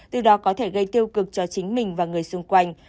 từ đó có thể gây tiêu cực cho chính mình và người xung quanh